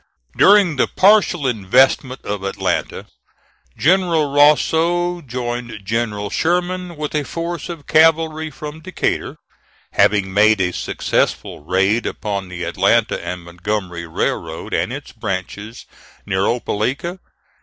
During the partial investment of Atlanta, General Rousseau joined General Sherman with a force of cavalry from Decatur, having made a successful raid upon the Atlanta and Montgomery Railroad, and its branches near Opelika.